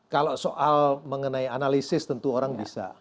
kalau soal mengenai analisis tentu orang bisa